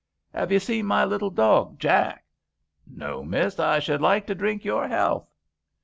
Have you seen my little dog, Jack ?"" No, Miss ; I should like to drink your health."